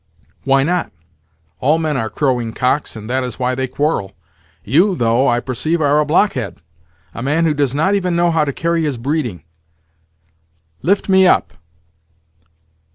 "Why not? All men are crowing cocks, and that is why they quarrel. You, though, I perceive, are a blockhead—a man who does not even know how to carry his breeding. Lift me up.